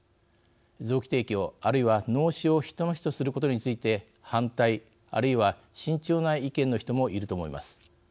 臓器提供、あるいは脳死を人の死とすることについて反対あるいは慎重な意見の人もいると思います。